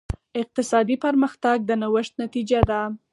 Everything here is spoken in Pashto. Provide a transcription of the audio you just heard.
اقتصادي پرمختګ د نوښت نتیجه ده.